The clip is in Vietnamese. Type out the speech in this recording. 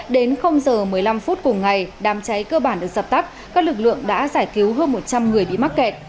đến giờ một mươi năm phút cùng ngày đám cháy cơ bản được dập tắt các lực lượng đã giải cứu hơn một trăm linh người bị mắc kẹt